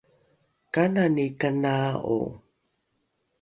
kanani kanaa’o?